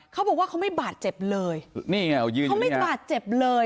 เขาบอกว่าเขาไม่บาดเจ็บเลยนี่ไงเขาไม่บาดเจ็บเลย